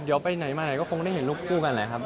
เดี๋ยวไปไหนมาไหนก็คงได้เห็นรูปคู่กันแหละครับ